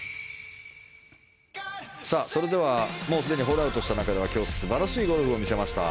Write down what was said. それでは、もうすでにホールアウトした中では今日素晴らしいゴルフを見せました。